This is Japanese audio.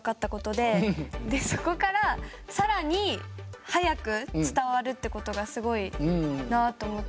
でそこから更に速く伝わるって事がすごいなあと思って。